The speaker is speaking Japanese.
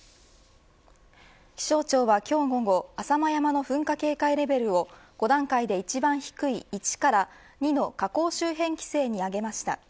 気象庁は今日午後浅間山の噴火警戒レベルを５段階で１番低い１から２の火口周辺規制に上げました。